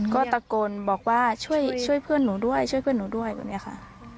ก็ตะโกนบอกว่าช่วยเพื่อนหนูด้วยช่วยเพื่อนหนูด้วยแบบนี้ค่ะ